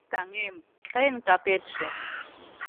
Таҥем, тыйын капетше